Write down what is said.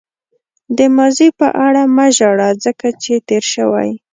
د ماضي په اړه مه ژاړه ځکه چې تېر شوی.